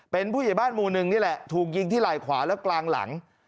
เป็นผู้ใหญ่บ้านหมู่หนึ่งนี่แหละถูกยิงที่ไหล่ขวาและกลางหลัง